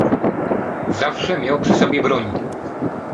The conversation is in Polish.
"Zawsze miał przy sobie broń."